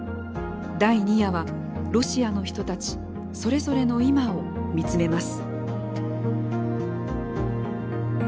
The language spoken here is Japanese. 第２夜は、ロシアの人たちそれぞれの今を見つめます。